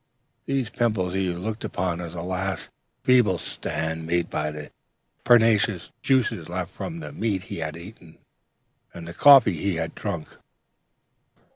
These pimples he looked upon as the last feeble stand made by the pernicious juices left from the meat he had formerly eaten and the coffee he had drunk.